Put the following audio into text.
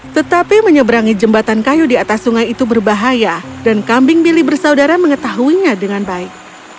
tetapi menyeberangi jembatan kayu di atas sungai itu berbahaya dan kambing bili bersaudara mengetahuinya dengan baik